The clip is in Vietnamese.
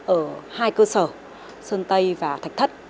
ở hai cơ sở sơn tây và thạch thất